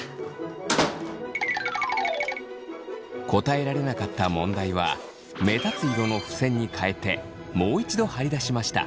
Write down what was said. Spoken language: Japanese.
答えられなかった問題は目立つ色のふせんにかえてもう一度貼り出しました。